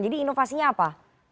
jadi inovasinya apa